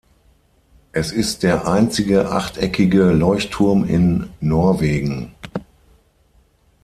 Es ist der einzige achteckige Leuchtturm in Norwegen.